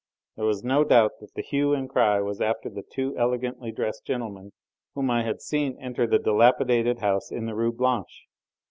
There was no doubt that the hue and cry was after the two elegantly dressed gentlemen whom I had seen enter the dilapidated house in the Rue Blanche.